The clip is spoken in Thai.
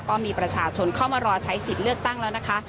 ก็มีประชาชนเข้ามารอใช้สิทธิ์เลือกตั้งแล้วนะคะ